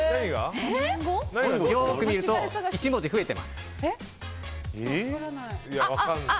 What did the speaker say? よく見ると１文字増えています。